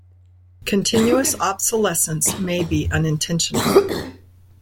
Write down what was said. Continuous obsolescence may be unintentional.